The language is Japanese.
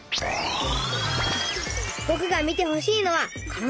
ぼくが見てほしいのはこの動画。